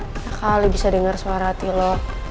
nggak kali bisa denger suara hati lo